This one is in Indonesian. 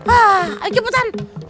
ah ini pesan